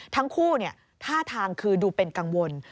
ทั้งคู่ท่าทางคือดูเป็นกังวล